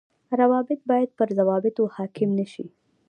روابط باید پر ضوابطو حاڪم نشي